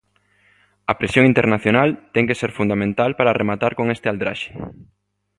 A presión internacional ten que ser fundamental para rematar con este aldraxe.